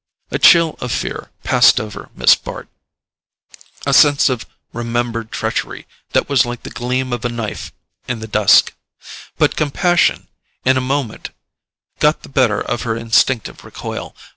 A chill of fear passed over Miss Bart: a sense of remembered treachery that was like the gleam of a knife in the dusk. But compassion, in a moment, got the better of her instinctive recoil.